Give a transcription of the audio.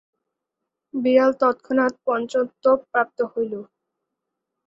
বিড়াল তৎক্ষণাৎ পঞ্চত্ব প্রাপ্ত হইল।